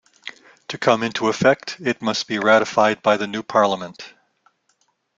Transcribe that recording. To come into effect, it must be ratified by the new parliament.